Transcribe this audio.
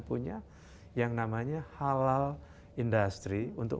punya yang namanya halal industry untuk